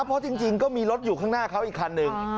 เพราะจริงก็มีรถอยู่ข้างหน้าเขาอีกคันหนึ่ง